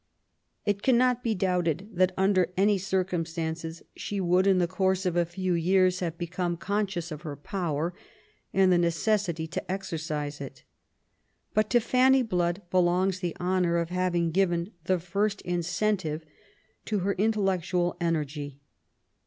It cannot be doubted that under any cir cumstances she would, in the course of a few years, have become conscious of her power and the necessity to exercise it. But to Fanny Blood belongs the honour of having given the first incentive to her intellectual energy.